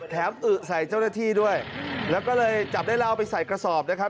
อึใส่เจ้าหน้าที่ด้วยแล้วก็เลยจับได้แล้วเอาไปใส่กระสอบนะครับ